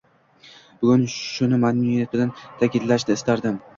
Bugun shuni mamnuniyat bilan taʼkidlashni istardim.